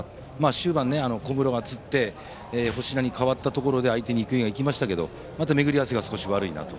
終盤、小室がつって星名に代わったところで流れがいきましたけどこれもまた巡り合せが悪いなと。